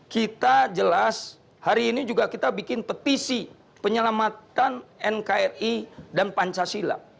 kita jelas hari ini juga kita bikin petisi penyelamatan nkri dan pancasila